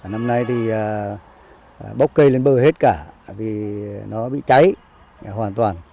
năm nay thì bốc cây lên bờ hết cả vì nó bị cháy hoàn toàn